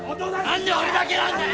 何で俺だけなんだよ！